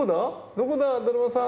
どこだだるまさん。